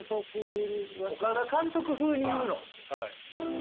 岡田監督風に言わせて。